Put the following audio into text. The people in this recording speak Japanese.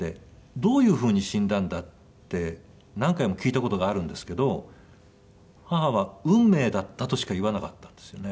「どういうふうに死んだんだ？」って何回も聞いた事があるんですけど母は「運命だった」としか言わなかったんですよね。